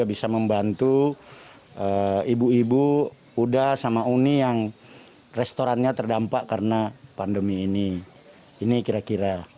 ibu ibu sudah sama uni yang restorannya terdampak karena pandemi ini ini kira kira